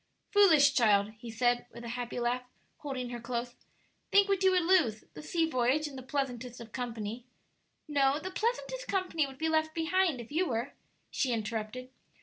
"Foolish child!" he said, with a happy laugh, holding her close; "think what you would lose: the sea voyage in the pleasantest of company " "No; the pleasantest company would be left behind if you were," she interrupted.